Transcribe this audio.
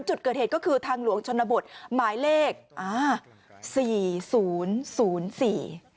จุดเกิดเหตุก็คือทางหลวงชนบทหมายเลขอ่าสี่ศูนย์ศูนย์สี่